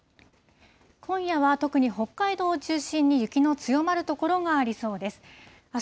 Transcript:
今夜は特に北海道を中心に、雪の強まる所がありそうです。